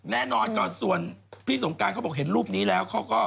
แน่นอนก็ส่วนพี่สงการเขาบอกเห็นรูปนี้แล้วเขาก็